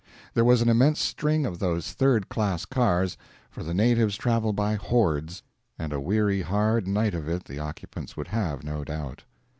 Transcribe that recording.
There was an immense string of those third class cars, for the natives travel by hordes; and a weary hard night of it the occupants would have, no doubt.